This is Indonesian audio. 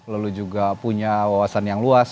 lalu juga punya wawasan yang luas